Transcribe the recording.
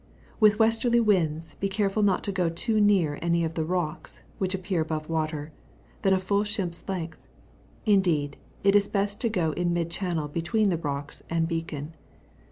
With westerly winds, be caraul not to go nearer to any of me roeksy which appear above water, than a full ship's length; ind^d, it is best to go in mid channel between the rocks and beacon.